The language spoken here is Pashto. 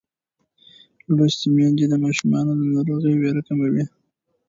لوستې میندې د ماشوم د ناروغۍ وېره کموي.